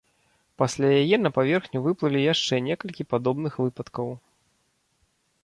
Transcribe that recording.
Пасля яе на паверхню выплылі яшчэ некалькі падобных выпадкаў.